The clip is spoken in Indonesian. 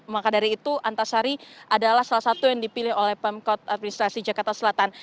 maka dari itu antasari adalah salah satu yang dipilih oleh pemkot administrasi jakarta selatan